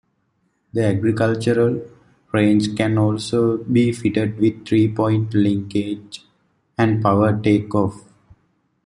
The agricultural range can also be fitted with three point linkage and power take-off.